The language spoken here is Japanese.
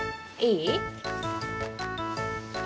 いい？